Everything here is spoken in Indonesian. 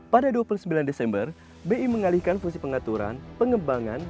pada dua puluh sembilan desember bi mengalihkan fungsi pengaturan pengembangan